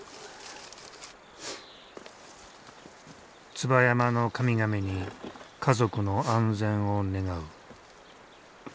椿山の神々に家族の安全を願う。